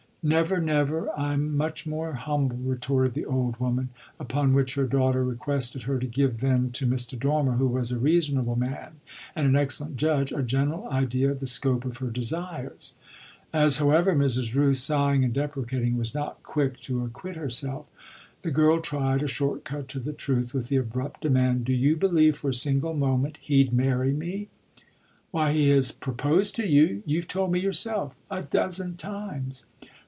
"Never, never I'm much more humble," retorted the old woman; upon which her daughter requested her to give then to Mr. Dormer, who was a reasonable man and an excellent judge, a general idea of the scope of her desires. As, however, Mrs. Rooth, sighing and deprecating, was not quick to acquit herself, the girl tried a short cut to the truth with the abrupt demand: "Do you believe for a single moment he'd marry me?" "Why he has proposed to you you've told me yourself a dozen times."